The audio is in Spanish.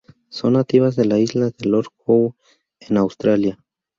Son nativas de la Isla de Lord Howe en Australia.